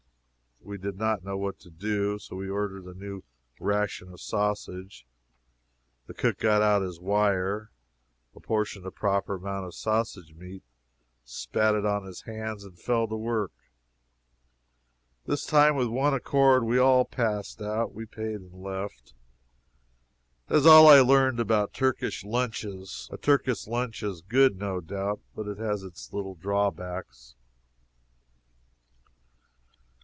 We did not know what to do, and so we ordered a new ration of sausage. The cook got out his wire, apportioned a proper amount of sausage meat, spat it on his hands and fell to work! This time, with one accord, we all passed out. We paid and left. That is all I learned about Turkish lunches. A Turkish lunch is good, no doubt, but it has its little drawbacks.